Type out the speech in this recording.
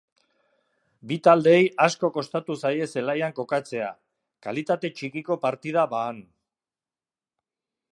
Bi taldeei asko kostatu zaie zelaian kokatzea, kalitate txikiko partida baan.